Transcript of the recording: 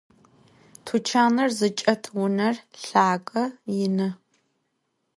Tuçanır zıçç'et vuner lhage, yinı.